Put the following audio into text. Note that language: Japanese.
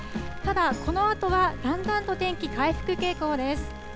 ただ、このあとはだんだんと天気、回復傾向です。